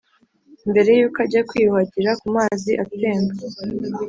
mbere yuko ajya kwiyuhagira kumazi atemba.